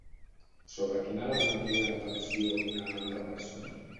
Sobre quin element crida l'atenció una altra persona?